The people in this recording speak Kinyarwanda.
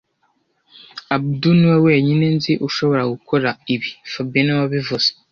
Abdul niwe wenyine nzi ushobora gukora ibi fabien niwe wabivuze